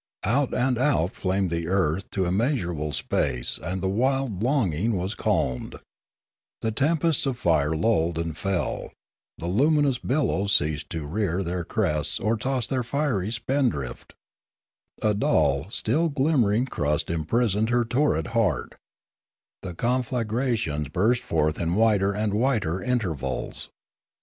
Out and out flamed the earth into immeas urable space and the wild longing was calmed; the tempests of fire lulled and fell; the luminous billows ceased to rear their crests or toss their fiery spindrift; a dull, still glimmering crust imprisoned her torrid heart; the conflagrations burst forth in wider and wider intervals.